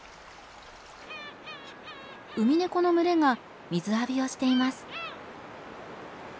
ウミネコの群れが水浴びをしています。